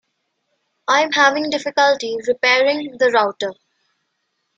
I'm having difficulty repairing the router.